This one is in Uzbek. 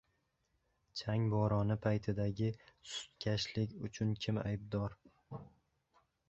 Chang bo‘roni paytidagi sustkashlik uchun kim aybdor?